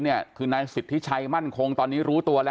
จนกระทั่งหลานชายที่ชื่อสิทธิชัยมั่นคงอายุ๒๙เนี่ยรู้ว่าแม่กลับบ้าน